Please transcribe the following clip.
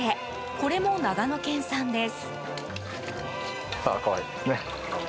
これも長野県産です。